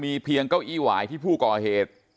เพียงเก้าอี้หวายที่ผู้ก่อเหตุ